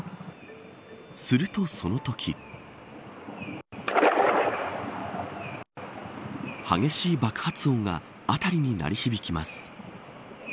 すると、そのとき。激しい爆発音が辺りに鳴り響きます。